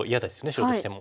白としても。